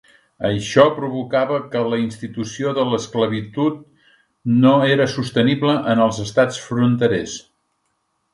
Això provocava que la institució de l'esclavitud no era sostenible en els estats fronterers.